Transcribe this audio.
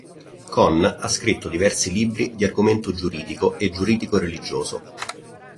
Cohn ha scritto diversi libri di argomento giuridico e giuridico-religioso.